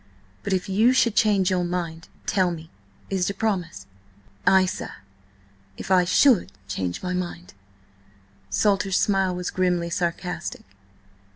But if you should change your mind, tell me. Is it a promise?" "Ay, sir. If I should change my mind." Salter's smile was grimly sarcastic.